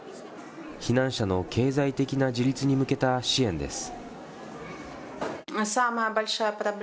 避難者の経済的な自立に向けた支援です。